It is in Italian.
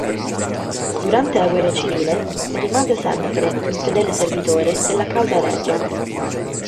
Durante la guerra civile rimase sempre un fedele servitore della causa regia.